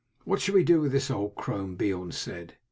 "What shall we do with this old crone?" Beorn said.